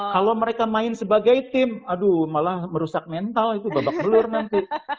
kalau mereka main sebagai tim aduh malah merusak mental itu babak belur nanti